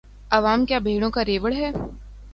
عوام کیا بھیڑوں کا ریوڑ ہے؟